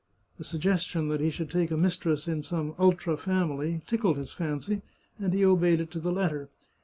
The suggestion that he should take a mistress in some ultra family tickled his fancy, and he obeyed it to fhe letter.